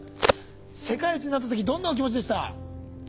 世界一になった時どんなお気持ちでした？